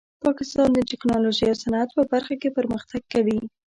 پاکستان د ټیکنالوژۍ او صنعت په برخه کې پرمختګ کوي.